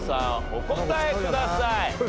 お答えください。